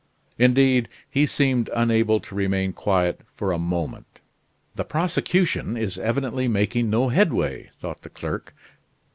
Indeed, he seemed unable to remain quiet for a moment. "The prosecution is evidently making no headway," thought the clerk.